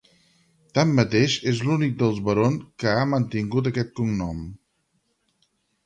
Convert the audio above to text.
Tanmateix, és l'únic dels Baron que ha mantingut aquest cognom.